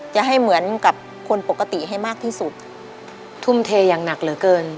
จะให้เหมือนกับคนปกติให้มากที่สุดทุ่มเทอย่างหนักเหลือเกิน